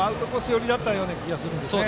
寄りだったような気がするんですよね。